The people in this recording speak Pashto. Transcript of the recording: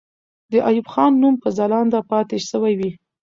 د ایوب خان نوم به ځلانده پاتې سوی وي.